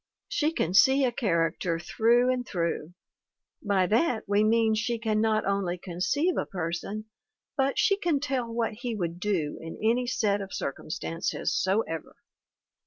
She can see a character through and through. By that we mean she can not only conceive a person, but she can tell what he would do in any set of circum stances soever.